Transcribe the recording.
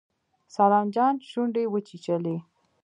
سلام جان شونډې وچيچلې.